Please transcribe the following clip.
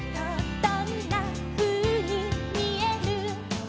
「どんなふうにみえる？」